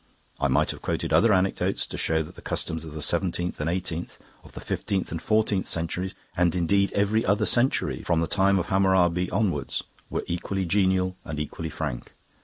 I might have quoted other anecdotes to show that the customs of the seventeenth and eighteenth, of the fifteenth and fourteenth centuries, and indeed of every other century, from the time of Hammurabi onward, were equally genial and equally frank.